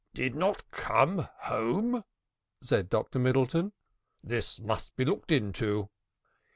"Did not come home!" said Dr Middleton, "this must be looked to."